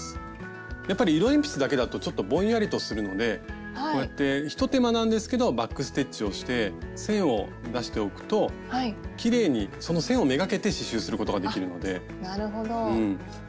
やっぱり色鉛筆だけだとちょっとぼんやりとするのでこうやって一手間なんですけどバック・ステッチをして線を出しておくときれいにその線を目がけて刺しゅうすることができるので。